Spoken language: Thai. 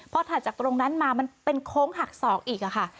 พอถัดจากตรงนั้นมามันเป็นโค้งหักศอกอีกค่ะ